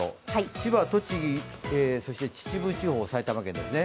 千葉、栃木、そして秩父地方、埼玉県ですね。